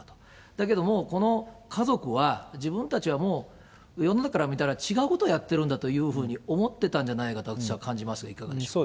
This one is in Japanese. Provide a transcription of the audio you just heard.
だけども、この家族は、自分たちはもう世の中から見たら違うことをやってるんだというふうに思ってたんじゃないかと、私は感じますが、いかがでしょうか。